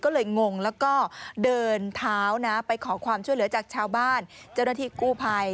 ก็เลยงงแล้วก็เดินเท้านะไปขอความช่วยเหลือจากชาวบ้านเจ้าหน้าที่กู้ภัย